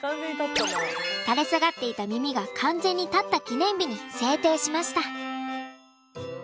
垂れ下がっていた耳が完全に立った記念日に制定しました。